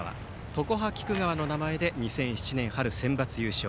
常葉菊川の名前で２００７年春センバツ優勝。